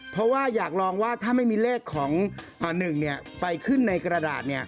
เพราะว่าอยากลองว่าถ้าไม่มีเลขของ๑ไปขึ้นในกระดาษ